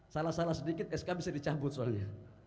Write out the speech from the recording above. salah salah sedikit sk bisa dicabut soalnya